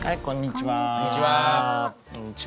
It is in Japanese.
こんにちは。